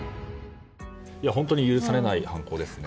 本当に許されない犯行ですね。